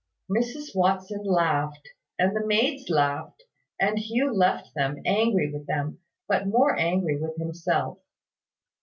Mrs Watson laughed, and the maids laughed, and Hugh left them, angry with them, but more angry with himself.